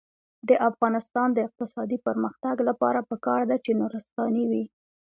د افغانستان د اقتصادي پرمختګ لپاره پکار ده چې نورستاني وي.